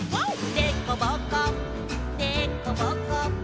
「でこぼこでこぼこ」